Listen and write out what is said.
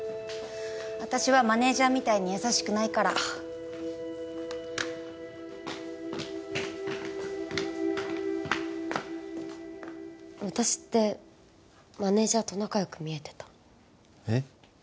私はマネージャーみたいに優しくないから私ってマネージャーと仲よく見えてた？え？